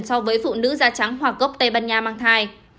so với phụ nữ da trắng hoàng gốc tây ban nha mang thai